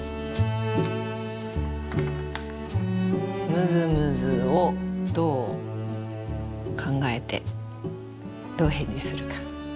むずむずをどうかんがえてどうへんじするか。